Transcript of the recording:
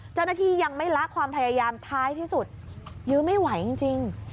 เจ้าหน้าที่ยังไม่ละความพยายามท้ายที่สุดยื้อไม่ไหวจริง